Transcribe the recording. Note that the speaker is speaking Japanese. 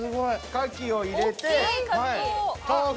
カキを入れて豆腐。